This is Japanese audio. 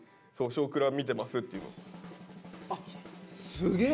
あすげえ。